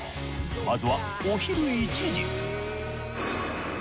まずはお昼１時。